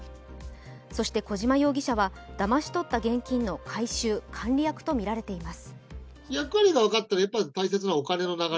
そして小島容疑者はだまし取った現金の回収・管理役とみられています。